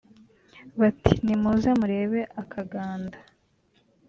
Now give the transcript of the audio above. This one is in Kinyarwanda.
bati “Nimuze murebe akaganda